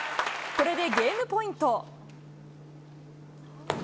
これでゲームポイント。